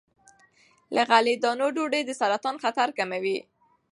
له غلې- دانو ډوډۍ د سرطان خطر کموي.